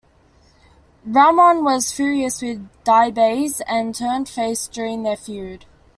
Ramon was furious with DiBiase and turned face during their feud.